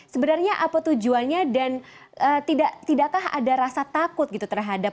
sebenarnya apa tujuannya dan tidakkah ada rasa takut gitu terhadap